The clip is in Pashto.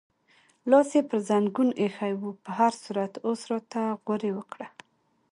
لاس یې پر زنګون ایښی و، په هر صورت اوس راته غورې وکړه.